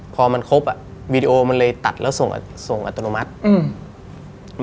พอมันครบอ่ะวีดีโอมันเลยตัดแล้วส่งส่งอัตโนมัติอืม